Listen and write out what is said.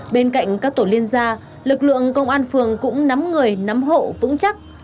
bên cạnh các tổ liên gia lực lượng công an phường cũng nắm người nắm hộ vững chắc